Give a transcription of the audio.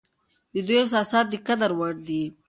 د دوی احساسات د قدر وړ دي.